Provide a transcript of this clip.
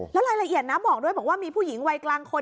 แล้วรายละเอียดบอกว่ามีผู้หญิงวัยกลางคน